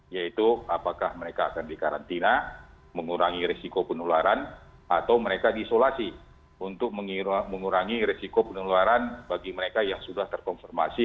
yaitu apakah mereka akan dikarantina mengurangi risiko penularan atau mereka diisolasi untuk mengurangi resiko penularan bagi mereka yang sudah terkonfirmasi